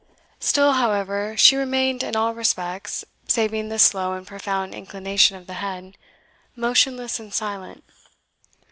Still, however, she remained in all respects, saving this slow and profound inclination of the head, motionless and silent.